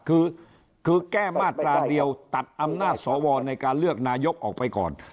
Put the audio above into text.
คือแก้มาตราเดียวตัดอำนาจสวในการเลือกนายกออกไปก่อน